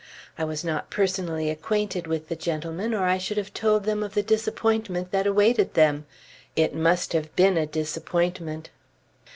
I was not personally acquainted with the gentlemen, or I should have told them of the disappointment that awaited them. It must have been a disappointment!